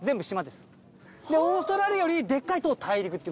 でオーストラリアよりでっかいと大陸って。